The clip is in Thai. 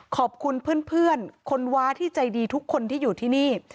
ขอบคุณเพื่อนคนว้าที่ใจดีทุกคนที่อยู่ที่นี่